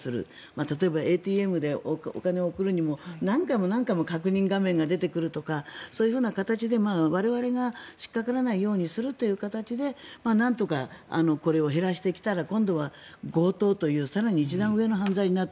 例えばＡＴＭでお金を送るにも何回も何回も確認画面が出てくるとかそういう形で我々が引っかからないようにするという形でなんとかこれを減らしてきたら今後は強盗という更に一段上の犯罪になって。